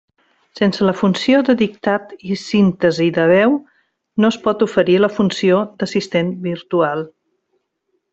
Sense la funció de dictat i síntesi de veu no es pot oferir la funció d'assistent virtual.